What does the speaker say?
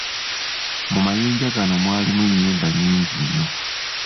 Mu mayinja gano mwalimu ennyimba nyingi nnyo.